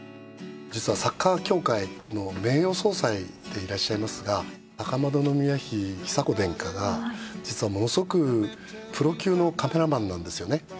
実はサッカー協会の名誉総裁でいらっしゃいますが高円宮妃久子殿下が実はものすごくプロ級のカメラマンなんですよね。